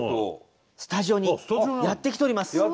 スタジオにやって来ております。